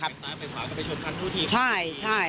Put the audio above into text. จะไปซ้ายไปขวาก็ไปชนคันทั่วทีใช่ใช่